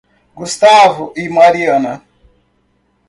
Gustavo e Mariana